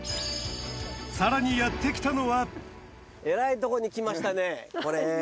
さらにやってきたのはえらいとこに来ましたねこれ。